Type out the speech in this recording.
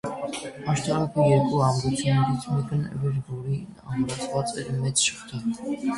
Աշտարակը երկու ամրություներից մեկն էր, որին ամրացած էր մեծ շղթա։